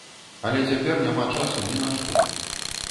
Але цяпер няма часу ні на што.